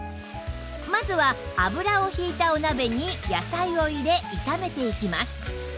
まずは油を引いたお鍋に野菜を入れ炒めていきます